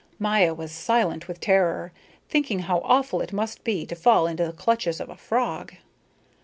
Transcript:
Maya was silent with terror, thinking how awful it must be to fall into the clutches of a frog.